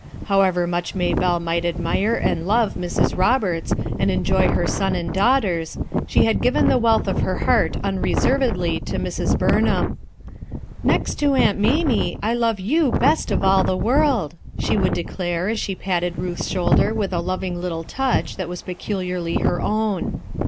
However much Maybellc might ad mire and love Mrs Roberts and enjoy her son and daughters, she bad given the wealth of her heart unreservedly to Sirs. Burnham. "Next to Aunt Mamie I love you best of all the world " she would declare as she patted Ruth's shoulder with a loving little touch that was peculiarly her own.